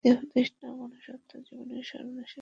এই দেহতৃষ্ণা মনুষ্যজীবনে সর্বনাশের কারণ।